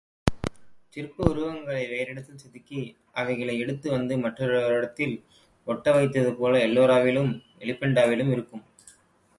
சிற்ப உருவங்களை வேறிடத்தில் செதுக்கி அவைகளை எடுத்து வந்து மற்றோரிடத்தில் ஒட்ட வைத்தது போல எல்லோராவிலும், எலிபெண்டாவிலும் இருக்கும்.